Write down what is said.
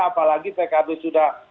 apalagi pkb sudah